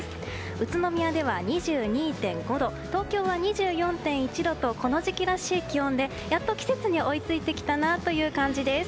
宇都宮では２２．５度東京は２４．１度とこの時期らしい気温でやっと季節に追いついてきたなという感じです。